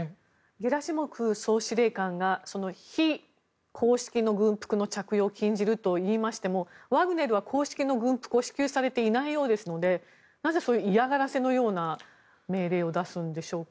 ゲラシモフ総司令官が非公式の軍服の着用を禁じると言いましてもワグネルは公式の軍服を支給されていないようですのでなぜ嫌がらせのような命令を出すんでしょうか。